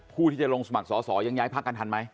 ผู้ที่จะลงสมัครสอสอยังย้ายพักกันทันไหม